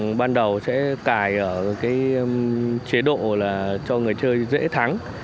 thường ban đầu sẽ cài ở chế độ cho người chơi dễ thắng